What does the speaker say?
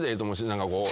何かこう。